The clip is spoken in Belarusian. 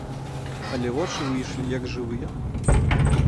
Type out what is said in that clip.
Але вочы выйшлі як жывыя.